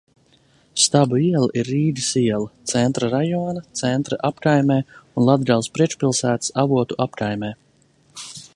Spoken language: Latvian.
Stabu iela ir Rīgas iela, Centra rajona Centra apkaimē un Latgales priekšpilsētas Avotu apkaimē.